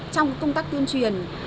trong công tác tuyên truyền